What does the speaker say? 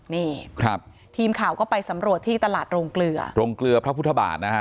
นี่ครับทีมข่าวก็ไปสำรวจที่ตลาดโรงเกลือโรงเกลือพระพุทธบาทนะฮะ